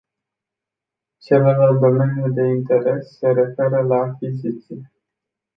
Celălalt domeniu de interes se referă la achiziții.